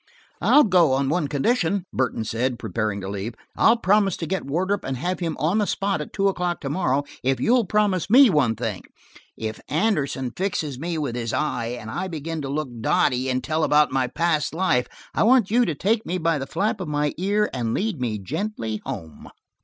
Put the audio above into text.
"I'll go on one condition," Burton said, preparing to leave. "I'll promise to get Wardrop and have him on the spot at two o'clock to morrow, if you'll promise me one thing: if Anderson fixes me with his eye, and I begin to look dotty and tell about my past life, I want you to take me by the flap of my ear and lead me gently home."